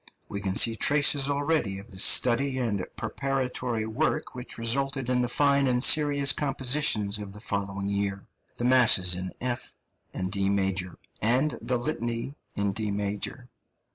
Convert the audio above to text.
We can see traces already of the study and preparatory work which resulted in the fine and serious compositions of the following year the Masses in F and D major, and the Litany in D major.